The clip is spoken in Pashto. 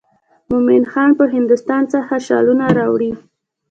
مومن خان به هندوستان څخه شالونه راوړي.